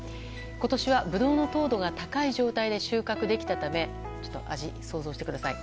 今年はブドウの糖度が高い状態で収穫できたため味を想像してください。